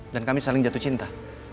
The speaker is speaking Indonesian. dan kami saling jatuh cinta